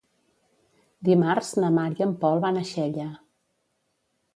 Dimarts na Mar i en Pol van a Xella.